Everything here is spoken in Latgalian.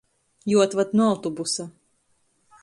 Juoatvad nu autobusa.